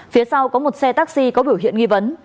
phía sau có một xe taxi có biểu hiện nghi vấn